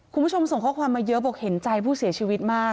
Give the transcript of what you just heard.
คุณผู้ชมส่งข้อความมาเยอะบอกเห็นใจผู้เสียชีวิตมาก